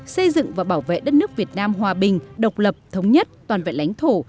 xây dựng và bảo vệ đất nước việt nam hòa bình độc lập thống nhất toàn vẹn lãnh thổ